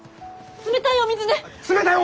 冷たいお水か！